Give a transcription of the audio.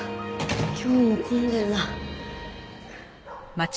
今日も混んでるな。